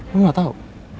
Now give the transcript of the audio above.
lu gak tau